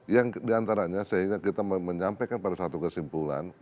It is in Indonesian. yang diantaranya sehingga kita menyampaikan pada satu kesimpulan